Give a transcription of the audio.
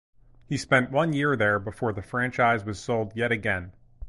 He spent one year there before the franchise was sold yet again.